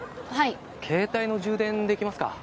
携帯の充電できますか？